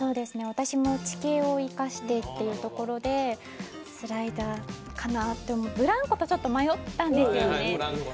私も地形を生かしてっていうところでスライダーかなとブランコとちょっと迷ったんですよね